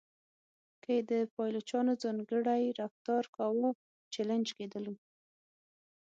که یې د پایلوچانو ځانګړی رفتار کاوه چلنج کېدلو.